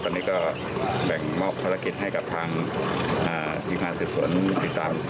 ตอนนี้ก็แบ่งมอบภารกิจให้กับทางทีมงานสืบสวนติดตาม